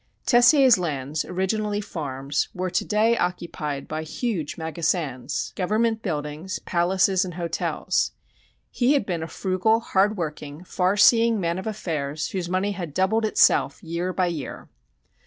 Tessier's lands, originally farms, were to day occupied by huge magasins, government buildings, palaces and hotels. He had been a frugal, hardworking, far seeing man of affairs whose money had doubled itself year by year.